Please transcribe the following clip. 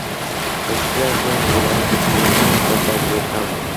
Los esclavos fueron liberados y vestidos con ropas de sus amos.